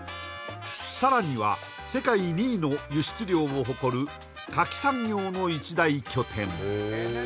さらには世界２位の輸出量を誇る花き産業の一大拠点